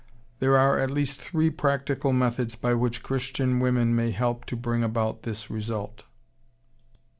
There are at least three practical methods by which Christian women may help to bring about this result.